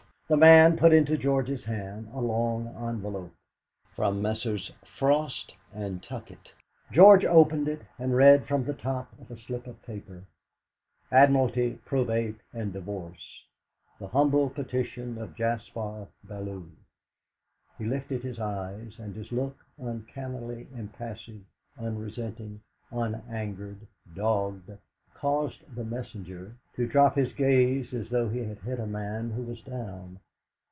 The man put into George's hand a long envelope. "From Messrs. Frost and Tuckett." George opened it, and read from the top of a slip of paper: "'ADMIRALTY, PROBATE, AND DIVORCE. The humble petition of Jaspar Bellew '" He lifted his eyes, and his look, uncannily impassive, unresenting, unangered, dogged, caused the messenger to drop his gaze as though he had hit a man who was down.